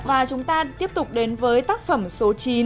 và chúng ta tiếp tục đến với tác phẩm số chín